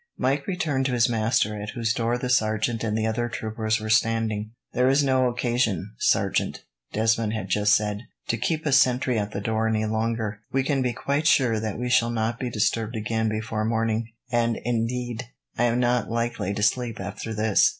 Mike returned to his master, at whose door the sergeant and the other troopers were standing. "There is no occasion, sergeant," Desmond had just said, "to keep a sentry at the door any longer. We can be quite sure that we shall not be disturbed again before morning, and indeed, I am not likely to sleep after this."